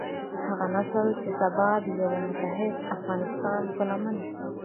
هغه نسل چې سبا د يوه متحد افغانستان په لمن کې.